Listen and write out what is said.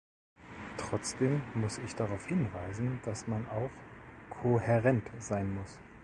Trotzdem muss ich darauf hinweisen, dass man auch kohärent sein muss.